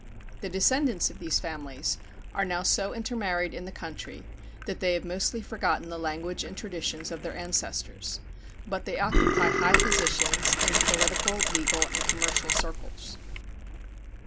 The descendants of these families are now so intermarried in the country that they have mostly forgotten the language and traditions of their ancestors; but they occupy high positions in political, legal, and commercial circles.